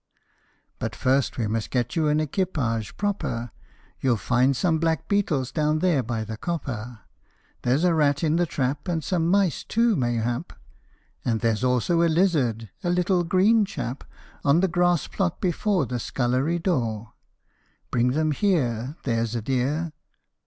But first we must get you an equipage proper. You '11 find some black beetles down there by the copper ; There 's a rat in the trap, and some mice, too, mayhap, And there 's also a lizard, a little green chap, On the grass plot before the scullery door. Bring them here, there's a dear.